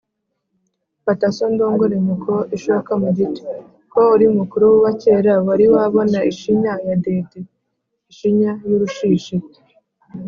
Fata so ndongore nyoko-Ishoka mu giti. Ko uri mukuru wa kera wari wabona ishinya ya Dede ?-Ishinya y'urushishi.